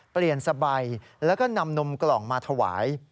เปลี่ยนสบายแล้วก็นำนมกล่องมาถวาย